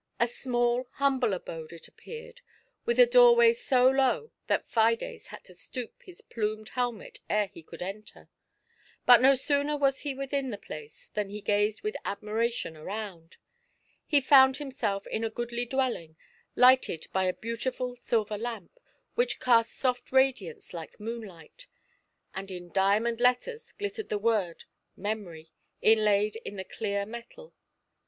A small, humble abode it appeared, with a doorway so low that Fides had to stoop his plumed helmet ere he could enter. But no sooner was he within the place, than he gazed with admiration aroxmd. He found himself in a goodly dwelling, lighted by a beautiful silver lamp, which cast soft radiance like moonlight; and in diamond letters glittered the word "Memory," inlaid in the clear metal.